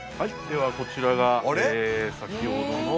ではこちらが先ほどの。